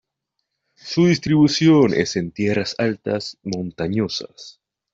Su distribución es en tierras altas montañosas.